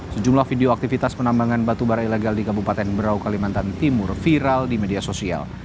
sejumlah video aktivitas penambangan batubara ilegal di kabupaten berau kalimantan timur viral di media sosial